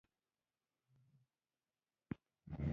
کله به له کابله لغمان ته تللم.